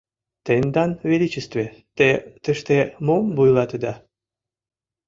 — Тендан величестве… те тыште мом вуйлатеда?